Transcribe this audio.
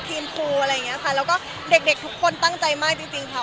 ทีมคูลอะไรอย่างนี้ค่ะแล้วก็เด็กทุกคนตั้งใจมากจริงค่ะ